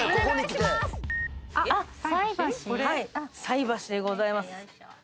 菜箸でございます。